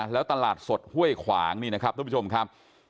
แล้วตลาดสดห้วยขวางนี่นะครับทุกผู้ชมครับ